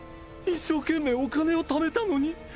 一生懸命お金をためたのに？